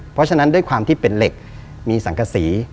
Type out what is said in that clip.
เพราะฉะนั้นด้วยความที่เป็นเหล็กมีสังกษี